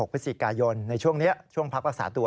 ๒๔๒๖พยในช่วงนี้ช่วงพักรักษาตัว